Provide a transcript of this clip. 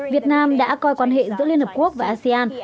việt nam đã coi quan hệ giữa liên hợp quốc và asean